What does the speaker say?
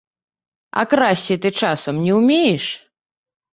А красці ты, часам, не ўмееш?